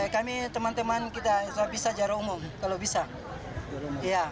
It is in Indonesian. kami teman teman kita bisa jarang umum kalau bisa